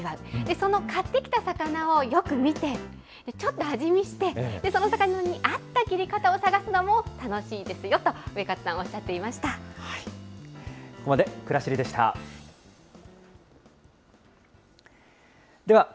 その買ってきた魚をよく見て、ちょっと味見して、その魚に合った切り方を探すのも楽しいですよとウエカツさんはおここまでくらしりでした。